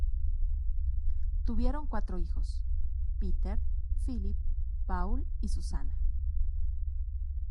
Tuvieron cuatro hijos: Peter, Philip, Paul y Susanna.